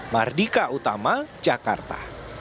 mardika utama jakarta